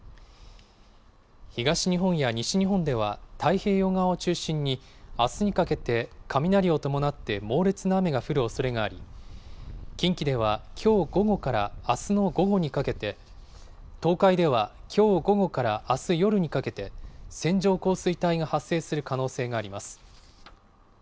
東日本や西日本では太平洋側を中心に、あすにかけて雷を伴って猛烈な雨が降るおそれがあり、近畿ではきょう午後からあすの午後にかけて、東海ではきょう午後からあす夜にかけて、線状降水帯が発生する可能性があります。